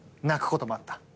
泣くこともあった？